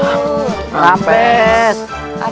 ada apa kalian di sini